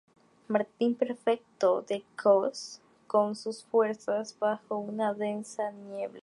Martín Perfecto de Cos con sus fuerzas bajo una densa niebla.